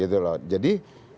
jadi kami juga akan mencari